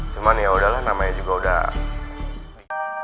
cuman yaudahlah namanya juga udah